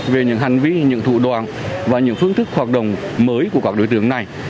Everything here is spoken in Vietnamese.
về những hành vi những thủ đoàn và những phương thức hoạt động mới của các đối tượng này